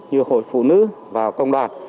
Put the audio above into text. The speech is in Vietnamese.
như hội phụ nữ và công đoàn